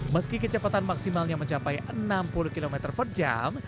meski kecepatan maksimalnya mencapai enam puluh km per jam